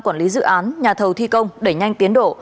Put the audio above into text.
trong thời gian dự án nhà thầu thi công để nhanh tiến đổ